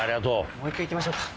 もう一回いきましょうか。